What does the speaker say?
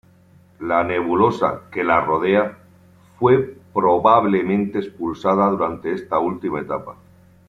La nebulosa que la rodea fue probablemente expulsada durante esta última etapa.